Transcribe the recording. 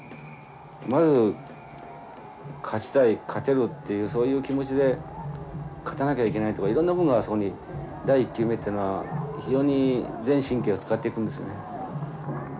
まず勝ちたい勝てるっていうそういう気持ちで勝たなきゃいけないとかいろんなもんがあそこに第１球目っていうのは非常に全神経を使っていくんですよね。